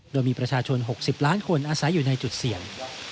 โดยมีประชาชน๖๐ล้านคนอาศัยอยู่ในจุดเสี่ยง